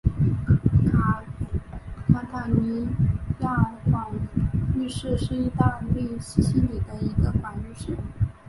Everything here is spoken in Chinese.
卡塔尼亚广域市是意大利西西里的一个广域市。